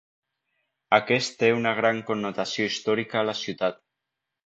Aquest té una gran connotació històrica a la ciutat.